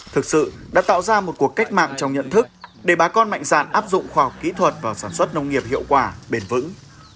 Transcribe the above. thực sự đã tạo ra một cuộc cách mạng trong nhận thức để bà con mạnh dạn áp dụng khoa học kỹ thuật và sản xuất nông nghiệp hiệu quả bền vững